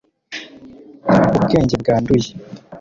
ubwenge bwanduye